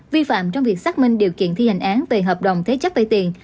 vi phạm trong việc xác minh điều kiện thi hành án về hợp đồng thế chấp vay tiền